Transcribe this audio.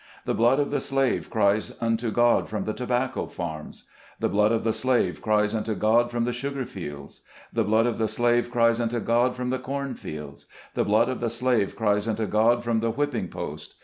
The blood of the slave cries unto God from the tobacco farms. The blood of the slave cries unto God from the sugar fields. The blood of the slave cries unto God from the corn fields. The blood of the slave cries unto God from the whipping post.